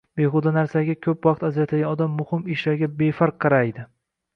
Behuda narsalarga ko‘p vaqt ajratadigan odam muhim ishlarga befarq qaraydi.